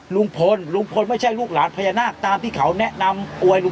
ลุงพลลุงพลไม่ใช่ลูกหลานพญานาคตามที่เขาแนะนำอวยลุ